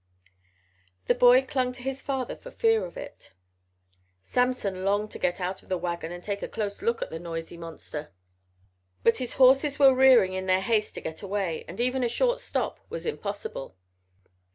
The boy clung to his father for fear of it. Samson longed to get out of the wagon and take a close look at the noisy monster, but his horses were rearing in their haste to get away, and even a short stop was impossible.